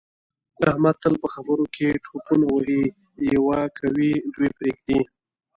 احمد تل په خبروکې ټوپونه وهي یوه کوي دوې پرېږدي.